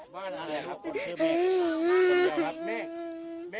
บ้านอะไรครับคนชื่อเมฆ